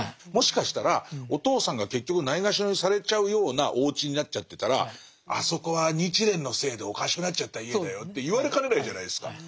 もしかしたらお父さんが結局ないがしろにされちゃうようなおうちになっちゃってたらあそこは日蓮のせいでおかしくなっちゃった家だよって言われかねないじゃないですか。